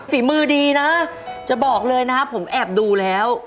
ฝีมือดีนะจะบอกเลยนะครับผมแอบดูแล้ว